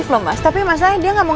sampai ketemu disana ya ren